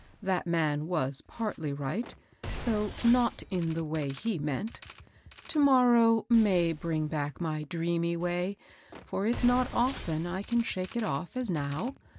That man was partly right, though not in the way he meant ; to morrow may bring back my dreamy way, for it's not often I can shake it off as now.